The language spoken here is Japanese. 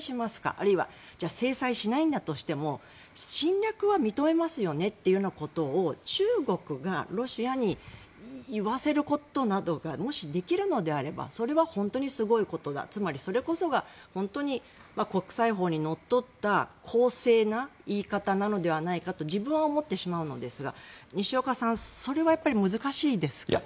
あるいはじゃあ制裁しないとしても侵略は認めますよねということを中国がロシアに言わせることなどがもし、できるのであればそれは本当にすごいことだつまり、それこそが本当に国際法にのっとった公正な言い方なのではないかと自分は思ってしまうのですが西岡さん、それは難しいですか。